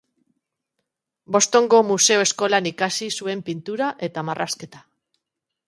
Bostongo Museo Eskolan ikasi zuen pintura eta marrazketa.